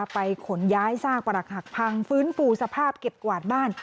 ขนย้ายซากประหลักหักพังฟื้นฟูสภาพเก็บกวาดบ้าน